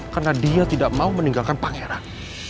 karena dia tidak mau meninggalkan pangeran